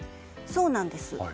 そうなんです。